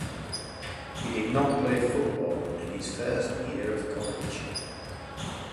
He did not play football in his first year of college.